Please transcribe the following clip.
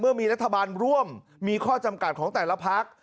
มีรัฐบาลร่วมมีข้อจำกัดของแต่ละพัก